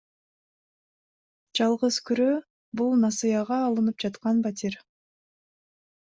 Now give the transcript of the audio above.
Жалгыз күрөө — бул насыяга алынып жаткан батир.